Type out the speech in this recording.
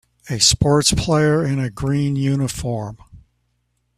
A sports player in a green uniform.